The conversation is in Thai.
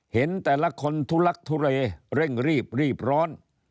เห็นแต่ละคนทุลักทุเลเร่งรีบรีบร้อน